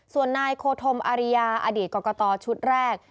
ส่วนนายโคธมอาริยาอดีตกรกตชุดแรก